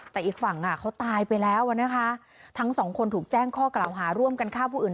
แต่อีกฝั่งอ่ะเขาตายไปแล้วอ่ะนะคะทั้งสองคนถูกแจ้งข้อกล่าวหาร่วมกันฆ่าผู้อื่น